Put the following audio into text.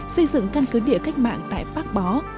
xây dựng căn cứ địa cách mạng tại bác bó